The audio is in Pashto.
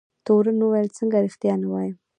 تورن وویل څنګه رښتیا نه وایم.